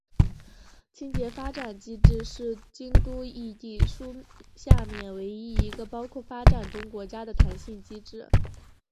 清洁发展机制是京都议定书下面唯一一个包括发展中国家的弹性机制。